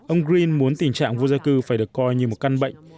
ông grin muốn tình trạng vô gia cư phải được coi như một căn bệnh